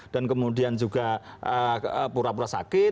dan kemudian juga pura pura sakit